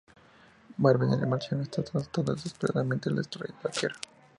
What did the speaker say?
Marvin el marciano está tratando desesperadamente de destruir la Tierra.